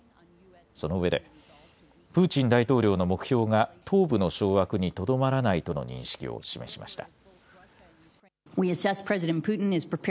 そのうえでプーチン大統領の目標が東部の掌握にとどまらないとの認識を示しました。